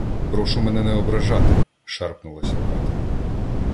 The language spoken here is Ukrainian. — Прошу мене не ображати! - шарпнулася Катря.